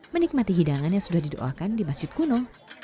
menikmati hidangan yang sudah didoakan di masjid kuno